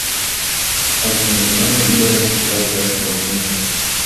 Ați menționat libera circulație a cunoștințelor.